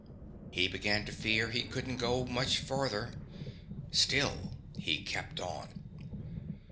He began to fear he couldn't go much farther. Still he kept on.